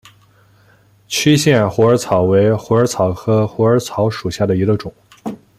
区限虎耳草为虎耳草科虎耳草属下的一个种。